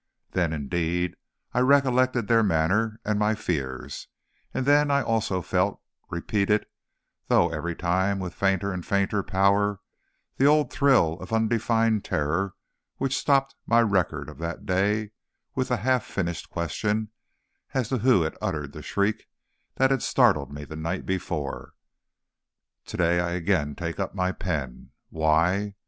Then, indeed, I recollected their manner and my fears, and then I also felt repeated, though every time with fainter and fainter power, the old thrill of undefined terror which stopped my record of that day with the half finished question as to who had uttered the shriek that had startled me the night before. To day I again take up my pen. Why?